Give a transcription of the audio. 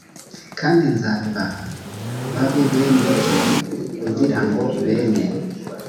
kandi nzabibaha babe bene byo kugira ngo bene